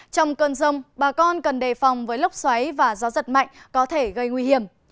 trong cơn rông bà con cần đề phòng với lốc xoáy và gió giật mạnh có thể gây nguy hiểm